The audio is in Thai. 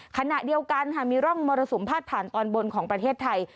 ขณะเดียวกันค่ะมีร่องมรสุมพาดผ่านตอนบนของประเทศไทย